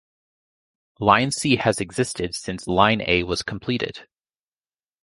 Line C has existed since line A was completed.